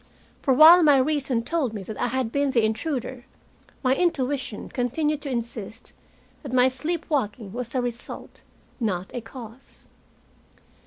For while my reason told me that I had been the intruder, my intuition continued to insist that my sleepwalking was a result, not a cause.